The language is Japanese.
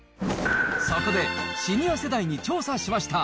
そこで、シニア世代に調査しました。